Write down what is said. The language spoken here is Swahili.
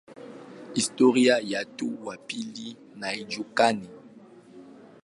Historia ya mto wa pili haijulikani.